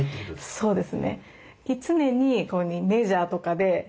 そうですね。